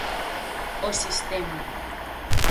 O sistema.